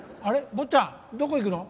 坊ちゃんどこ行くの？